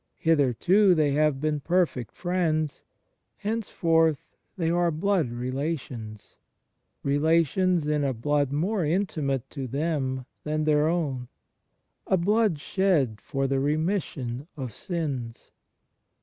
Hitherto they have been perfect friends; henceforth they are Blood relations — relations in a blood more intimate to them than their own — a Blood shed for the remission of sins.